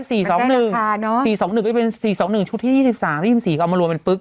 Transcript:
๔๒๑ก็จะเป็น๔๒๑ชุดที่๒๓๒๔ก็เอามารวมเป็นปึ๊ก